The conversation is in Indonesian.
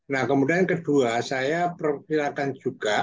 nah kemudian kedua saya perkirakan juga